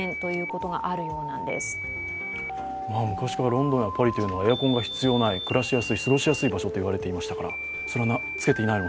ロンドンやパリというのはエアコンが必要ない、暮らしやすい、過ごしやすい場所と言われていましたから。